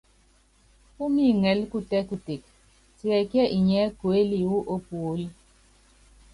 Púmíŋɛlɛ kutɛ́ kutek, tiɛkíɛ inyiɛ kuéli wu ópuólí?